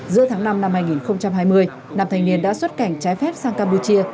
giữa tháng năm năm hai nghìn hai mươi nam thanh niên đã xuất cảnh trái phép sang campuchia